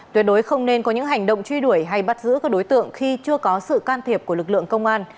tuyệt đối không nên có những hành động truy đuổi hay bắt giữ các đối tượng khi chưa có sự can thiệp của lực lượng công an